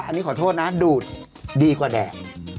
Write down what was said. อันนี้ขอโทษนะดูดดีกว่าแดด